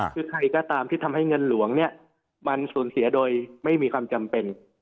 คือใครก็ตามที่ทำให้เงินหลวงเนี่ยมันสูญเสียโดยไม่มีความจำเป็น